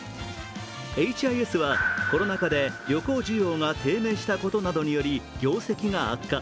エイチ・アイ・エスはコロナ禍で旅行需要が低迷したことなどにより業績が悪化。